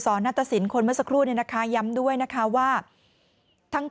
นัตตสินคนเมื่อสักครู่เนี่ยนะคะย้ำด้วยนะคะว่าทั้ง